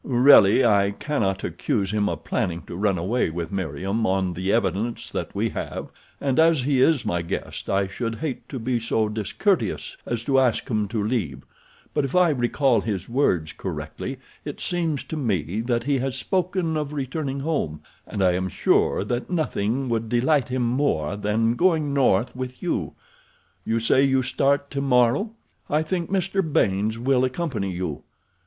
"Really I cannot accuse him of planning to run away with Meriem on the evidence that we have, and as he is my guest I should hate to be so discourteous as to ask him to leave; but, if I recall his words correctly, it seems to me that he has spoken of returning home, and I am sure that nothing would delight him more than going north with you—you say you start tomorrow? I think Mr. Baynes will accompany you.